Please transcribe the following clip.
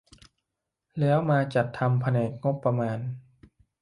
แล้วมาจัดทำแผนงบประมาณ